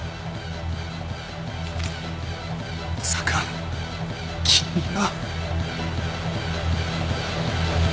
まさか君は。